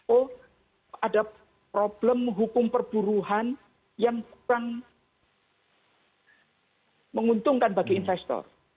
oh ada problem hukum perburuhan yang kurang menguntungkan bagi investor